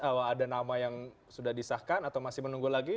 ada nama yang sudah disahkan atau masih menunggu lagi